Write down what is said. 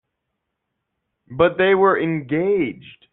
But they were engaged.